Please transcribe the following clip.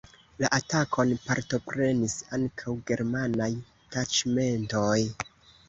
La atakon partoprenis ankaŭ germanaj taĉmentoj.